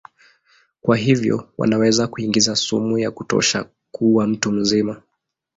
Kwa hivyo wanaweza kuingiza sumu ya kutosha kuua mtu mzima.